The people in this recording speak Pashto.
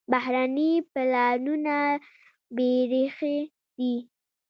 بهرني پلانونه بېریښې دي.